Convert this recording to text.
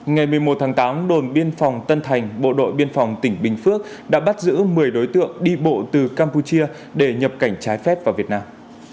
ngày một mươi một tháng tám đồn biên phòng tân thành bộ đội biên phòng tỉnh bình phước đã bắt giữ một mươi đối tượng đi bộ từ campuchia để nhập cảnh trái phép vào việt nam